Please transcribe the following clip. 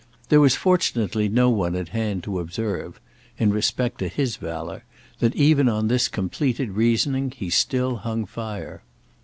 There was fortunately no one at hand to observe—in respect to his valour—that even on this completed reasoning he still hung fire.